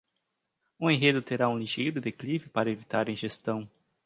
O enredo terá um ligeiro declive para evitar a ingestão.